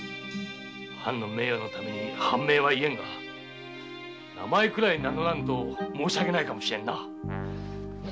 藩の名誉のために藩名は言えんが名前くらい名乗らんと申し訳ないかもしれんな。